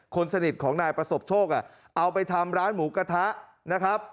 คนสนิทของนายประสบโชคเอาไปทำร้านหมูกระทะนะครับ